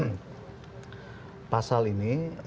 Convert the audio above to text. bukan berarti pasal yang kemudian hanya di fikirkan oleh segelintir orang